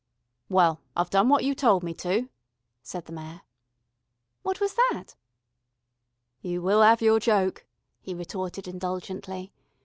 "Well, I've done what you told me to," said the Mayor. "What was that?" "You will 'ave your joke," he retorted indulgently.